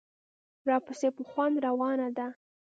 راپسې په خوند روانه ده.